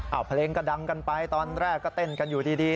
เอาเพลงก็ดังกันไปตอนแรกก็เต้นกันอยู่ดี